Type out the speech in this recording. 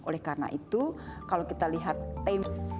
oleh karena itu kalau kita lihat tim